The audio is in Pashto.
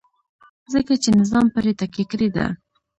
ځکه چې نظام پرې تکیه کړې ده.